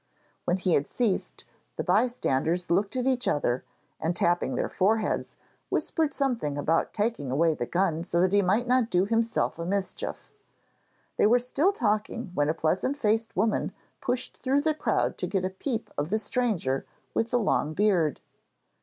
When he had ceased, the bystanders looked at each other and tapping their foreheads, whispered something about taking away the gun so that he might not do himself a mischief. They were still talking when a pleasant faced woman pushed through the crowd to get a peep of the stranger with the long beard.